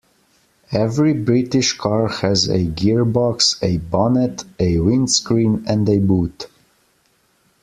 Every British car has a gearbox, a bonnet, a windscreen, and a boot